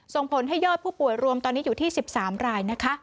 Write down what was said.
ส่งผลให้ยอดผู้ป่วยรวมตอนนี้อยู่ที่๑๓รายนะคะ